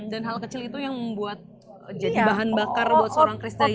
dan hal kecil itu yang membuat jadi bahan bakar buat seorang kristalianti